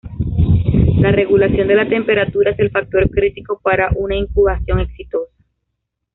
La regulación de la temperatura es el factor critico para una incubación exitosa.